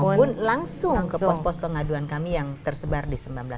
maupun langsung ke pos pos pengaduan kami yang tersebar di sembilan belas lokasi